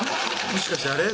もしかしてあれ？